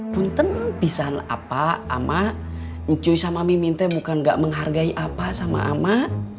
punten pisah apa ama ncuy sama miminte bukan gak menghargai apa sama ama